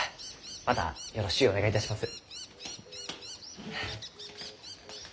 またよろしゅうお願いいたします。